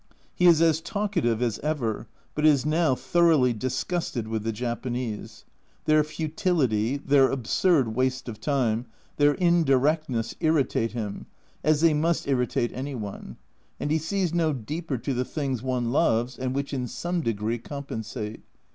He is as talkative as ever, but is now thoroughly disgusted with the Japanese. Their " futility," their "absurd waste of time," their "indirectness" irritate him, as they must irritate any one ; and he sees no deeper to the things one A Journal from Japan 201 loves, and which in some degree compensate.